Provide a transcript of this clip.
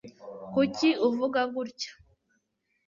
kuki uvuga gutya